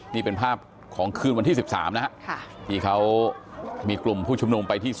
นี่เป็นภาพของคืนวันที่๑๓นะฮะที่เขามีกลุ่มผู้ชุมนุมไปที่